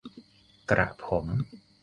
กระผม